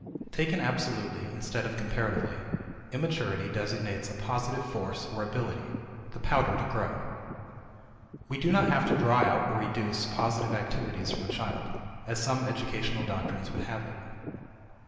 Taken absolutely, instead of comparatively, immaturity designates a positive force or ability, the pouter to grow. We do not have to draw out or educe positive activities from a child, as some educational doctrines would have it.